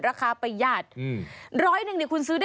เฮ่ยไม่กินแล้ว